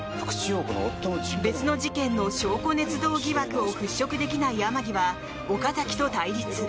別の事件の証拠ねつ造疑惑を払拭できない天樹は岡崎と対立。